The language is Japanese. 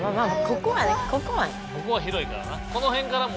ここは広いからな。